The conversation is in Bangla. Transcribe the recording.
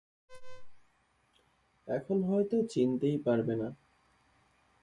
এখন হয়তো চিনতেই পারবে না।